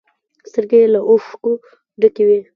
سترگې يې له اوښکو ډکې وې.